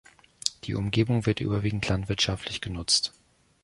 Die Umgebung wird überwiegend landwirtschaftlich genutzt.